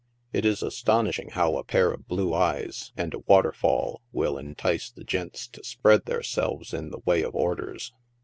It is astonishing how a pair of blue eyes and a waterfall will entice the gents to spread theirselves in the way of orders.